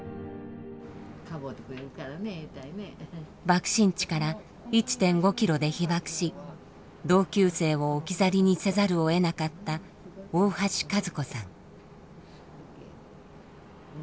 爆心地から１．５ｋｍで被爆し同級生を置き去りにせざるをえなかった大橋和子さん。